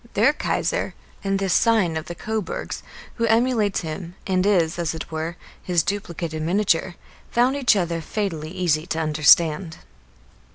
Their Kaiser and this scion of the Coburgs, who emulates him, and is, as it were, his duplicate in miniature, found each other fatally easy to understand.